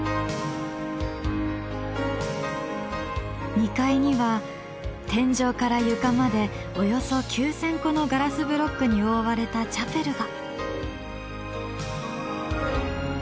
２階には天井から床までおよそ９，０００個のガラスブロックに覆われたチャペルが。